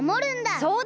そうだ！